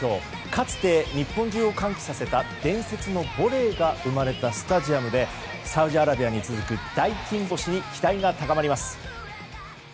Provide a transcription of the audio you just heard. かつて、日本中を歓喜させた伝説のボレーが生まれたスタジアムでサウジアラビアに続く大金星に期待が高まります。